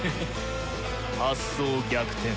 発想逆転。